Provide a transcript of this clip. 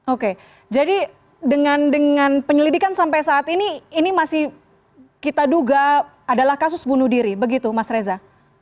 oke jadi dengan penyelidikan sampai saat ini ini masih kita duga adalah kasus bunuh diri begitu mas reza